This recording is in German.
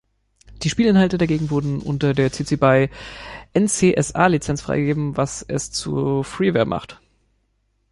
Die Spielinhalte dagegen wurden unter der cc-by-nc-sa-Lizenz freigegeben, was es zu Freeware macht.